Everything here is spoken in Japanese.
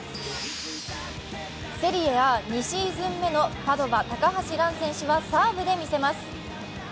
セリエＡ、２シーズン目のパドヴァ・高橋藍選手はサーブで見せます。